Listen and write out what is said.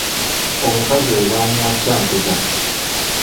Omukazi oyo baamuwasa mpeta.